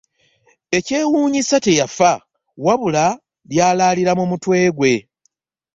Ekyewunyisa teyafa wabula lyalalira mu mutwe gwe .